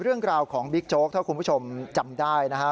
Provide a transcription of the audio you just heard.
เรื่องราวของบิ๊กโจ๊กถ้าคุณผู้ชมจำได้นะฮะ